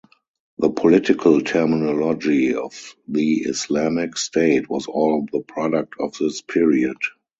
The political terminology of the Islamic state was all the product of this period.